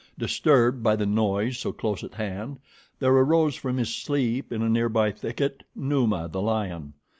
Disturbed by the noise so close at hand, there arose from his sleep in a near by thicket Numa, the lion.